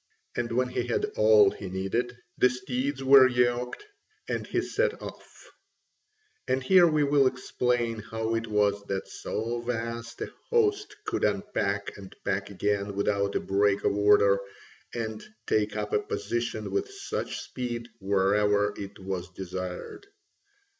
And when he had all he needed, the steeds were yoked, and he set off. And here we will explain how it was that so vast a host could unpack and pack again without a break of order, and take up a position with such speed wherever it was desired.